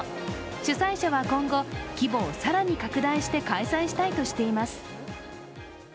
主催者は今後規模を更に拡大して開催したいとしています。